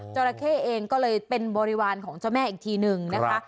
ราเข้เองก็เลยเป็นบริวารของเจ้าแม่อีกทีนึงนะคะ